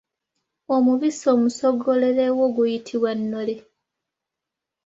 Omubisi omusogolerewo guyitibwa Nnole.